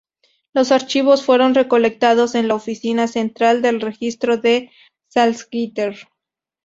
Los archivos fueron recolectados en la oficina central de registro en Salzgitter.